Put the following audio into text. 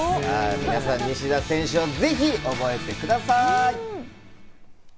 みなさん、西田選手をぜひ覚えてください。